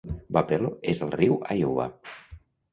Wapello és al riu Iowa.